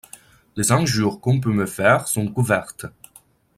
Les injures qu'on peut me faire sont couvertes